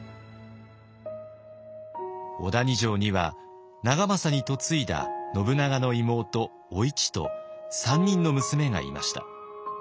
小谷城には長政に嫁いだ信長の妹お市と３人の娘がいました。